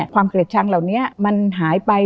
ความเกล็ดชังเหล่านี้มันหายไป